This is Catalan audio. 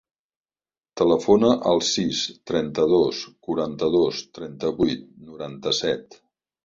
Telefona al sis, trenta-dos, quaranta-dos, trenta-vuit, noranta-set.